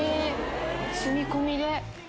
住み込みで。